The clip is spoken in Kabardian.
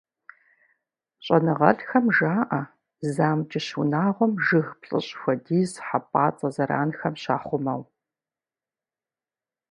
ЩӀэныгъэлӀхэм жаӀэ, зы амкӀыщ унагъуэм жыг плӏыщӏ хуэдиз хьэпӀацӀэ зэранхэм щахъумэу.